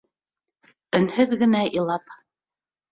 Өнһөҙ генә илап